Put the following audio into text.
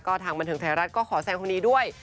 ทางบันเทิงไทยรัฐก็ขอแซงคนนี้ด้วย